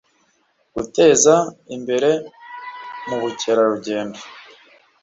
guteza imbere umubukerarugendo